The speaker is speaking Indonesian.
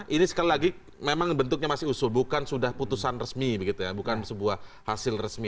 ini sekali lagi memang bentuknya masih usul bukan sudah putusan resmi begitu ya bukan sebuah hasil resmi